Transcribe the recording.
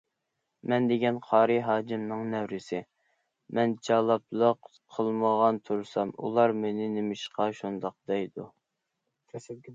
مەن دېگەن قارى ھاجىمنىڭ نەۋرىسى، مەن جالاپلىق قىلمىغان تۇرسام ئۇلار مېنى نېمىشقا شۇنداق دەيدۇ.